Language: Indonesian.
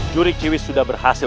curik ciwis sudah berhasil